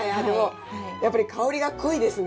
やっぱり香りが濃いですね。